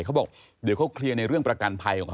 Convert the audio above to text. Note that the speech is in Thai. เขาบอกเดี๋ยวเขาเคลียร์ในเรื่องประกันภัยของเขา